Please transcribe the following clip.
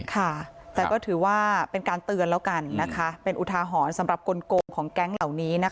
ค่ะแต่ก็ถือว่าเป็นการเตือนแล้วกันนะคะเป็นอุทาหรณ์สำหรับกลงของแก๊งเหล่านี้นะคะ